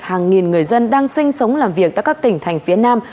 hàng nghìn người dân đang sinh sống làm việc tại các tỉnh thành phía nam